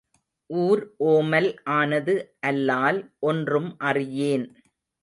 ஊர் ஓமல் ஆனது அல்லால் ஒன்றும் அறியேன்.